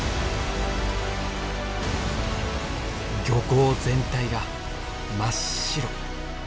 漁港全体が真っ白。